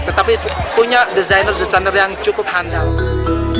tetapi punya desainer desainer yang cukup handal